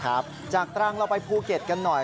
ครับจากตรังเราไปภูเก็ตกันหน่อย